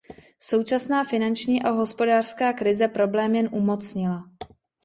Současná finanční a hospodářská krize problém jen umocnila.